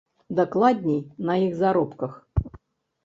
Дакладней, на іх заробках.